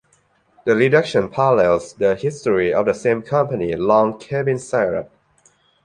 The reduction parallels the history of the same company's Log Cabin Syrup.